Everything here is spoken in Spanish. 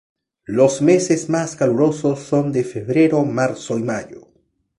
Los meses más calurosos son de febrero, marzo y mayo.